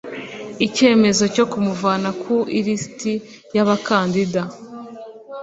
Icyemezo cyo kumuvana ku ilisiti y abakandida